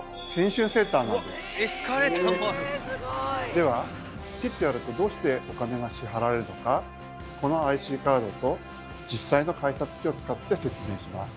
ではピッとやるとどうしてお金が支払われるのかこのＩＣカードと実際の改札機を使って説明します。